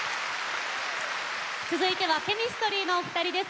続いてはＣＨＥＭＩＳＴＲＹのお二人です。